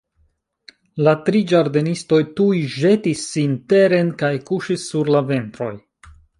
La tri ĝardenistoj tuj ĵetis sin teren kaj kuŝis sur la ventroj.